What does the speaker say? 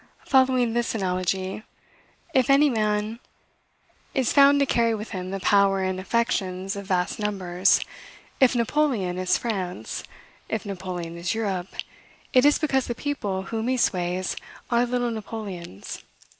Following this analogy, if any man is found to carry with him the power and affections of vast numbers, if Napoleon is France, if Napoleon is Europe, it is because the people whom he sways are little Napoleons.